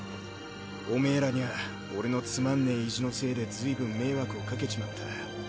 オメエらにゃ俺のつまんねえ意地のせいでずいぶん迷惑をかけちまった。